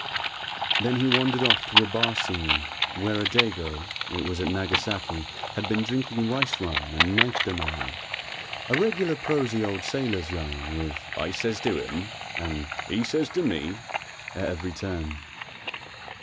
Then he wandered off to a bar scene where a dago it was at Nagasaki had been drinking rice rum and knifed a man, a regular prosy old sailor's yarn, with "I says to him," and "he says to me" at every turn.